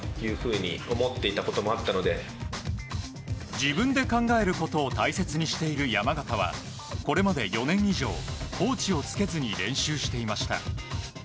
自分で考えることを大切にしている山縣はこれまで４年以上コーチをつけずに練習していました。